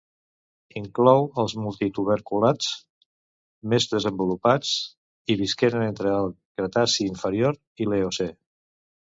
Inclou els multituberculats més desenvolupats i visqueren entre el Cretaci inferior i l'Eocè.